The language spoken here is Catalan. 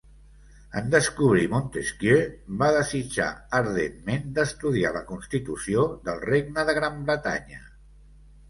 En descobrir Montesquieu va desitjar ardentment d'estudiar la constitució del regne de Gran Bretanya.